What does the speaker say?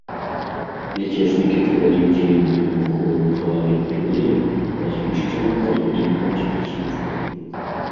Мяцежнікі прывялі ў дзеянне выбуховую прыладу ў тунэлі, размешчаным пад будынкам спецслужбы.